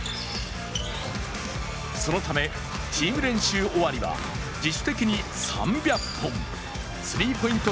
そのため、チーム練習終わりは自主的に３００本スリーポイント